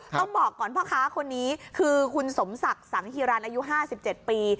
ต้องบอกก่อนพ่อค้าคนนี้คือคุณสมศักดิ์สังฮิรันอายุ๕๗ปี